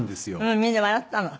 みんな笑ったの？